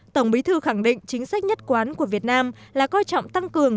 tổng bí thư khẳng định chính sách nhất quán của việt nam là coi trọng tăng cường